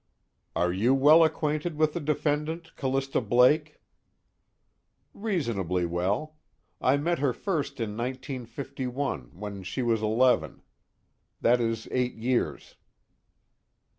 "Are you well acquainted with the defendant, Callista Blake?" "Reasonably well. I met her first in 1951, when she was eleven. That is eight years."